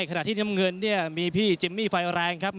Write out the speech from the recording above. ขณะที่น้ำเงินเนี่ยมีพี่จิมมี่ไฟแรงครับ